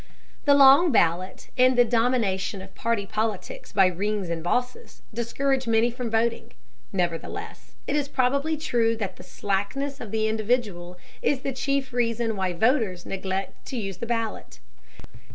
The long ballot and the domination of party politics by rings and bosses discourage many from voting, nevertheless it is probably true that the slackness of the individual is the chief reason why voters neglect to use the ballot.